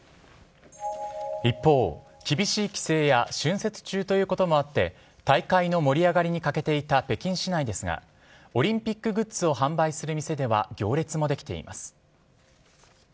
一方、厳しい規制や春節中ということもあって大会の盛り上がりに欠けていた北京市内ですがオリンピックグッズを販売する店では行列もできています。